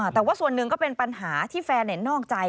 แต่ว่าส่วนหนึ่งก็เป็นปัญหาที่แฟนนอกใจ